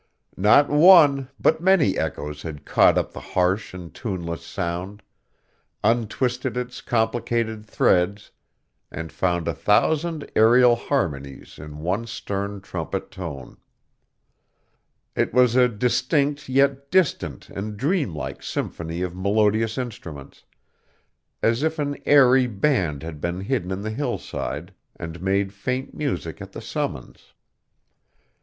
Not one, but many echoes had caught up the harsh and tuneless sound, untwisted its complicated threads, and found a thousand aerial harmonies in one stern trumpet tone. It was a distinct yet distant and dreamlike symphony of melodious instruments, as if an airy band had been hidden on the hillside and made faint music at the summons.